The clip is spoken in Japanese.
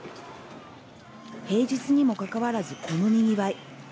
平日にもかかわらず、このにぎわい。